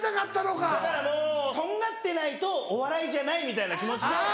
だからもうとんがってないとお笑いじゃないみたいな気持ちで。